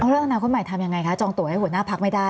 เรื่องอนาคตใหม่ทำยังไงคะจองตัวให้หัวหน้าพักไม่ได้